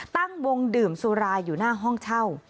ตั้งวงดื่มสุราอยู่หน้าห้องเช่า